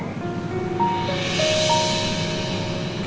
aku terima kasih